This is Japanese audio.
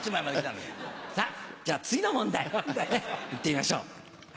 さあ、じゃあ、次の問題、いってみましょう。